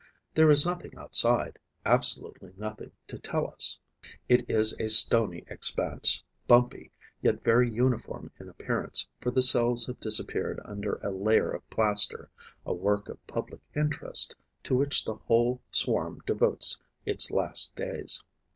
There is nothing outside, absolutely nothing, to tell us. It is a stony expanse, bumpy but yet very uniform in appearance, for the cells have disappeared under a layer of plaster, a work of public interest to which the whole swarm devotes its last days.